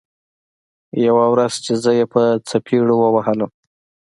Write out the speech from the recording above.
يوه ورځ چې زه يې په څپېړو ووهلم.